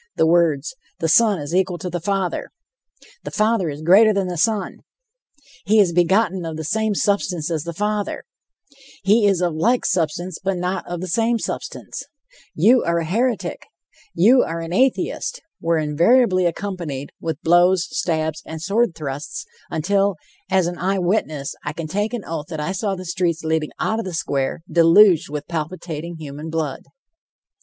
The words, "The Son is equal to the Father," "The Father is greater than the Son," "He is begotten of the same substance as the Father," "He is of like substance, but not of the same substance," "You are a heretic," "You are an atheist," were invariably accompanied with blows, stabs and sword thrusts, until, as an eye witness, I can take an oath that I saw the streets leading out of the square deluged with palpitating human blood.